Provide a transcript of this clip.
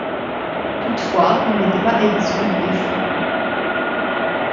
Toutefois, il n'était pas exempt de défauts.